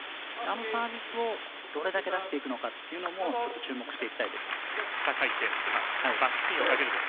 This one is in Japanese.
あのサービスをどれだけ出していくのかもちょっと注目していきたいです。